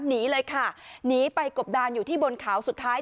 หนีเลยค่ะหนีไปกบดานอยู่ที่บนเขาสุดท้าย